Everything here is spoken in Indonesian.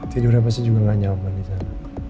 tidurnya pasti juga gak nyaman disana